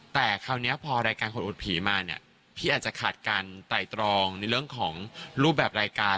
แต่คราวนี้พอรายการคนอุดผีมาเนี่ยพี่อาจจะขาดการไตรตรองในเรื่องของรูปแบบรายการ